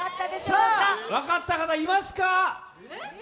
分かった方いますか？